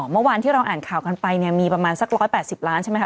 เมื่อวานที่เราอ่านข่าวกันไปเนี่ยมีประมาณสัก๑๘๐ล้านใช่ไหมค